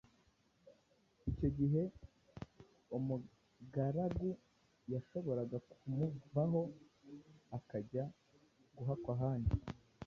icyo gihe umugaragu yashoboraga kumuvaho akajya guhakwa ahandi